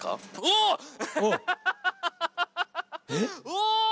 うわ！